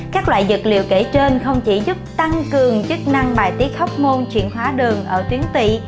các loại dược liệu kể trên không chỉ giúp tăng cường chức năng bài tiết hóc môn chuyển hóa đường ở tuyến tị